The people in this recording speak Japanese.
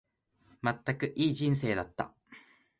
まったく、いい人生だった。